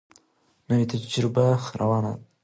نوې تجربه روانه ده.